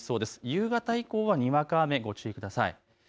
夕方以降はにわか雨にご注意ください。